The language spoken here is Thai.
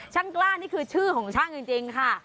กล้านี่คือชื่อของช่างจริงค่ะ